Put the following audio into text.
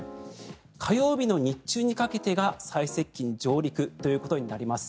火曜日の日中にかけてが最接近・上陸ということになります。